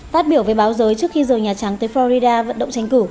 tát biểu về báo giới trước khi rời nhà trắng tới florida vận động tranh cử